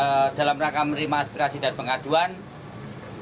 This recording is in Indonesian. pak basuki cahaya purnama akan menampung aspirasi dan pengaduan masyarakat di rumah lembar